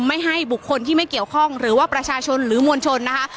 ไม่ให้บุคคลที่ไม่เกี่ยวข้องหรือว่าประชาชนหรือมวลชนนะคะ